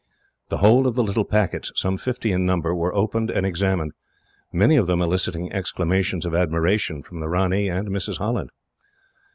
The whole of the little packets, some fifty in number, were opened and examined; many of them eliciting exclamations of admiration from the ranee and Mrs. Holland.